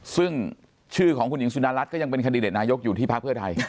ซึ่งชื่อของคุณหญิงสุดารัฐก็ยังเป็นคันดิเดตนายกอยู่ที่ภาคเพื่อไทย